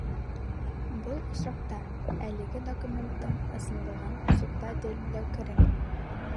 Был осраҡта әлеге документтың ысынлығын судта дәлилләү кәрәкмәй.